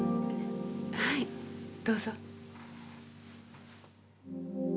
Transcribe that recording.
はいどうぞ。